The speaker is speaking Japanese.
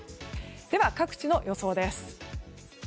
では、各地の予想です。